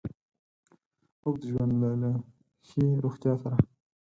اوږد ژوند له له ښې روغتیا سره